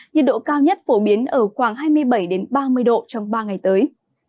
nhiệt độ cao nhất phổ biến ở khoảng hai mươi bảy ba mươi độ trong ba ngày tới